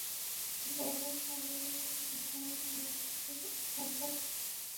বলে সবিনয়ে কৃপাপ্রার্থীর মতো।